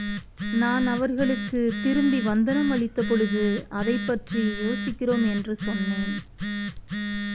நான் அவர்களுக்குத் திரும்பி வந்தனம் அளித்தபொழுது அதைப்பற்றி யோசிக்கிறோம் என்று சொன்னேன்.